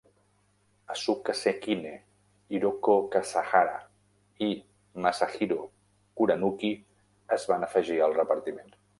Asuka Sekine, Hiroko Kasahara i Masahiro Kuranuki es van afegir al repartiment.